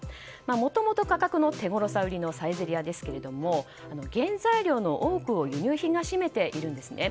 もともと価格の手ごろさが売りのサイゼリヤですが原材料の多くを輸入品が占めているんですね。